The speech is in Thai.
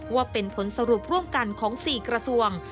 ว่าเป็นผลสรุปร่วมกันของ๔กระทรวง